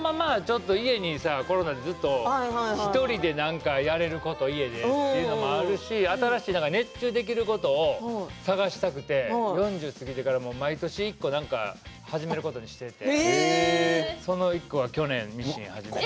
コロナで家で１人でやれることというのもあるし熱中できることを探したくて４０過ぎてから毎年、何か１個始めることにしていてその１個が去年ミシンを始めて。